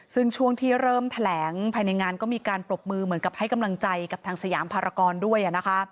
ซึ่งช่วงที่เริ่มแถลงภายในงานก็มีการปรบมือเหมือนกับให้กำลังใจกับทางสยามภารกรด้วย